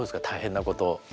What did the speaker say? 大変なこと。